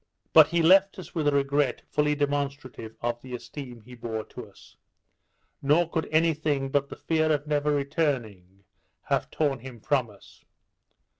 But he left us with a regret fully demonstrative of the esteem he bore to us; nor could any thing but the fear of never returning, have torn him from us.